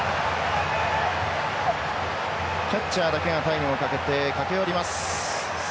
キャッチャーだけがタイムをかけて駆け寄ります。